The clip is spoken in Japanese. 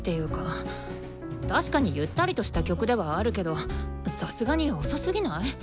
確かにゆったりとした曲ではあるけどさすがに遅すぎない？